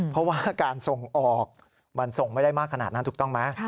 เพราะว่าการส่งออกมันส่งไม่ได้มากขนาดนั้นถูกต้องไหม